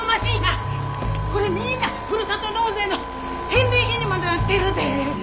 これみんなふるさと納税の返礼品にもなってるで！